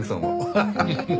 ハハハッ。